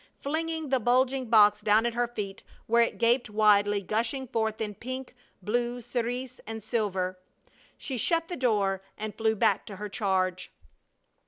Flinging the bulging box down at her feet, where it gaped widely, gushing forth in pink, blue, cerise, and silver, she shut the door and flew back to her charge.